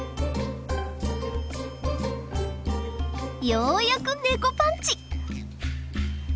ようやくネコパンチ！